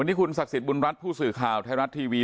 วันนี้คุณศักดิ์สิทธิบุญรัฐผู้สื่อข่าวไทยรัฐทีวี